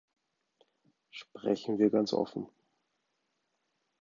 Sprechen wir ganz offen!